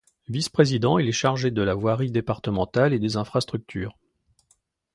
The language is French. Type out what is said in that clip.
Vice-président, il est chargé de la voirie départementale et des infrastructures.